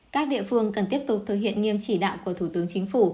các địa phương cần tiếp tục thực hiện nghiêm chỉ đạo của thủ tướng chính phủ